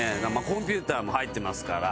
コンピューターも入ってますから。